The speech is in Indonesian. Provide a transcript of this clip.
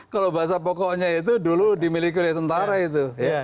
kalau bahasa pokoknya itu dulu dimiliki oleh tentara itu